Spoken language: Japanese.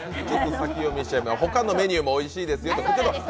他のメニューもおいしいですよと。